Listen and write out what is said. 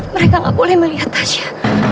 mereka nggak boleh melihat tasya